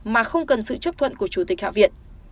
mà không cần sự chấp thuận của chủ tịch hạ viện